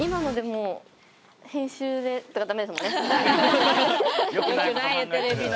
よくないよテレビの。